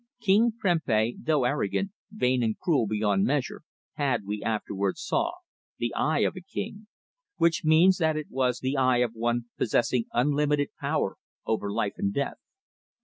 King Prempeh, though arrogant, vain and cruel beyond measure, had, we afterwards saw, the eye of a king, which means that it was the eye of one possessing unlimited power over life and death.